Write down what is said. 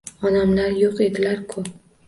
— Onamlar yoʼq edilar-ku…